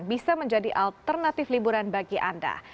bisa menjadi alternatif liburan bagi anda